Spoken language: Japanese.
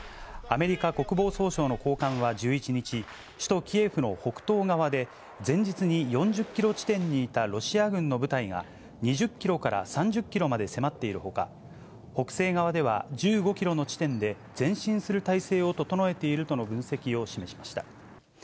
アメリカ国防総省の高官は１１日、首都キエフの北東側で、前日に４０キロ地点にいたロシア軍の部隊が、２０キロから３０キロまで迫っているほか、北西側では１５キロの地点で前進する態勢を整えているとの分析を示しました。